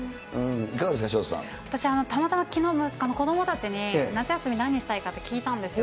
私、たまたまきのう、子どもたちに夏休み何したいかって聞いたんですよ。